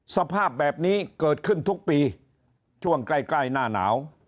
สภาพแบบนี้เกิดขึ้นทุกปีช่วงใกล้ใกล้หน้าหนาว